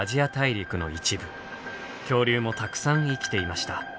恐竜もたくさん生きていました。